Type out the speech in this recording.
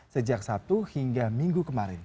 sejak sabtu hingga minggu kemarin